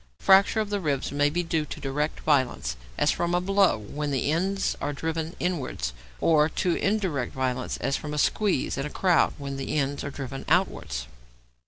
Fracture of the ribs may be due to direct violence, as from a blow, when the ends are driven inwards, or to indirect violence, as from a squeeze in a crowd, when the ends are driven outwards.